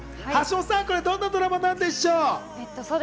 橋本さん、どんなドラマなんでしょう？